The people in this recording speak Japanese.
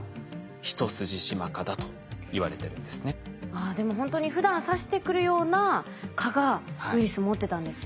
ああでもほんとにふだん刺してくるような蚊がウイルス持ってたんですね。